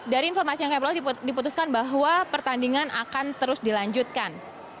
dari informasi yang kami peroleh diputuskan bahwa pertandingan akan terus dilanjutkan